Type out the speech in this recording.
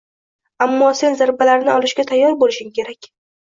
Ammo sen zarbalarni olishga tayyor bo’lishing kerak.